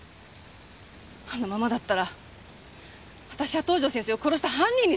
あのままだったら私は東条先生を殺した犯人にされてた。